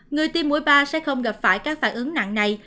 người tiêm mũi ba sẽ không gặp phải các phản ứng nặng này